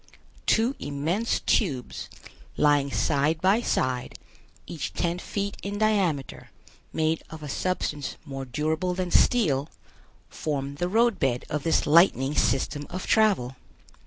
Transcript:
Two immense tubes, lying side by side, each ten feet in diameter, made of a substance more durable than steel, form the road bed of this lightning system of travel.